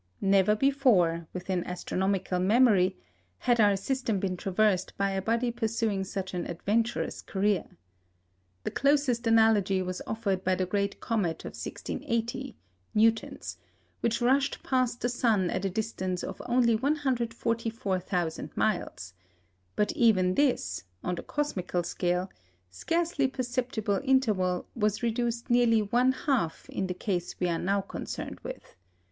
Never before, within astronomical memory, had our system been traversed by a body pursuing such an adventurous career. The closest analogy was offered by the great comet of 1680 (Newton's), which rushed past the sun at a distance of only 144,000 miles; but even this on the cosmical scale scarcely perceptible interval was reduced nearly one half in the case we are now concerned with.